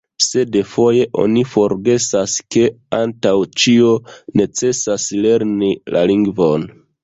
Sed foje oni forgesas, ke antaŭ ĉio necesas lerni la lingvon.